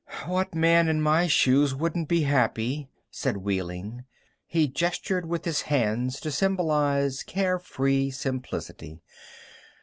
"What man in my shoes wouldn't be happy?" said Wehling. He gestured with his hands to symbolize care free simplicity.